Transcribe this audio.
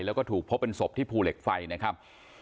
แล้วก็ถูกพบเป็นศพที่ภูเหล็กไฟนะครับ